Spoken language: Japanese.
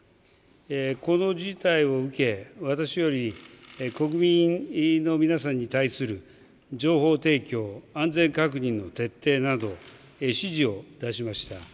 この事態を受け、私より国民の皆さんに対する情報提供、安全確認の徹底など、指示を出しました。